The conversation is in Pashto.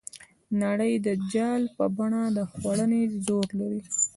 نړۍ د جال په بڼه د خوړنې زور لري.